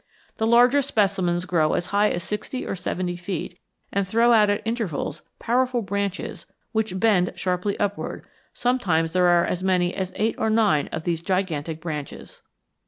The larger specimens grow as high as sixty or seventy feet and throw out at intervals powerful branches which bend sharply upward; sometimes there are as many as eight or nine of these gigantic branches.